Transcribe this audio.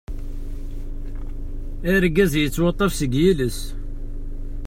Argaz yettwaṭṭaf seg yiles.